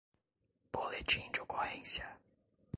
Boletim de ocorrência